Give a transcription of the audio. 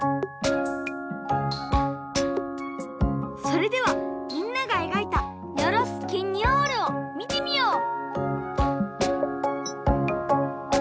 それではみんながえがいたニョロス・ケニョールをみてみよう！